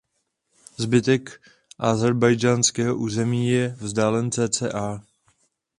Zbytek ázerbájdžánského území je vzdálen cca.